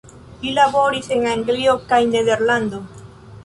Li laboris en Anglio kaj Nederlando.